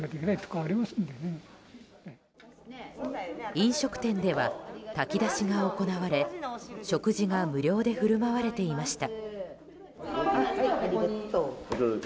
飲食店では炊き出しが行われ食事が無料で振る舞われていました。